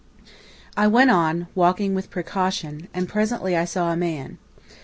I went on, walking with precaution, and presently I saw a man.